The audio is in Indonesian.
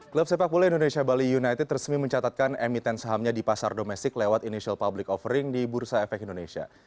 klub sepak bola indonesia bali united resmi mencatatkan emiten sahamnya di pasar domestik lewat initial public offering di bursa efek indonesia